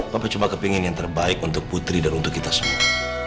bapak coba kepingin yang terbaik untuk putri dan untuk kita semua